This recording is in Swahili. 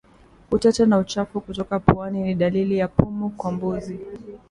Uteute na uchafu kutoka puani ni dalili ya pumu kwa mbuzi